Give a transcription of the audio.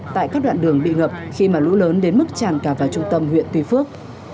tại các đoạn đường bị ngập khi mà lũ lớn đến mức tràn cả vào trung tâm huyện tuy phước